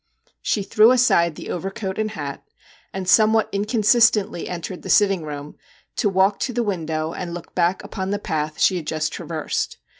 She threw aside the overcoat and hat, and somewhat inconsistently entered the sitting room, to walk to the window and look back upon the path she had just traversed.